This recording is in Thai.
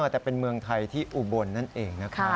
แต่เป็นเมืองไทยที่อุบลนั่นเองนะครับ